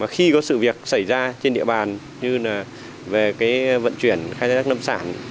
khi có sự việc xảy ra trên địa bàn như vận chuyển khai thác nâm sản